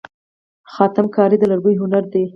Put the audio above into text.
خاتم کاري د لرګیو هنر دی.